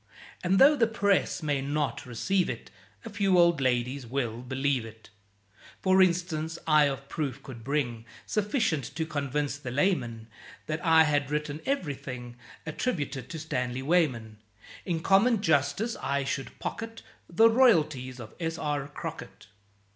And though the Press may not receive it, A few old ladies will believe it. For instance, I of proof could bring Sufficient to convince the layman That I had written ev'rything Attributed to Stanley Weyman. In common justice I should pocket The royalties of S. R. Crockett.